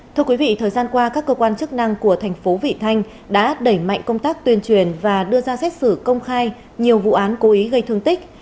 thưa quý vị thời gian qua các cơ quan chức năng của thành phố vị thanh đã đẩy mạnh công tác tuyên truyền và đưa ra xét xử công khai nhiều vụ án cố ý gây thương tích